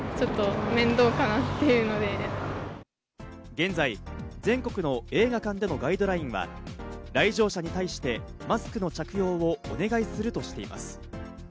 現在、全国の映画館でのガイドラインは来場者に対して、マスクの着用をお願いするとしています。